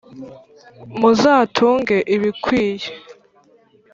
muzatunge ibikwiye